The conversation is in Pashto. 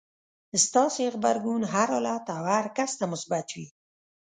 ستاسې غبرګون هر حالت او هر کس ته مثبت وي.